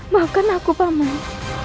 maafkan aku paman